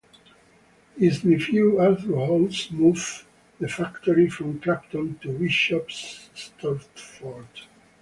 His nephew Arthur Haws moved the factory from Clapton to Bishops Stortford.